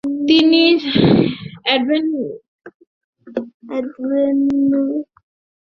তিনি এডর্নে থাকাকালীন "সার্ভিস-ই নিসভান" নামে একটি সমিতি প্রতিষ্ঠা করেছিলেন।